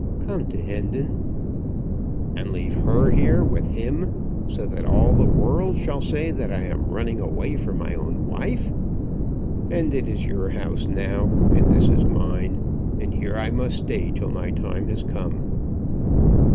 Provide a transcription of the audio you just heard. "Come to Hendon." "And leave her here with him, so that all the world shall say that I am running away from my own wife? Hendon is your house now, and this is mine; and here I must stay till my time has come."